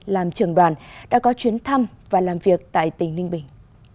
làm trưởng đoàn đã có chuyến thăm và làm việc tại tỉnh ninh bình